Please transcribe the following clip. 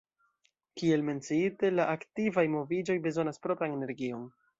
Kiel menciite, la aktivaj moviĝoj bezonas propran energion.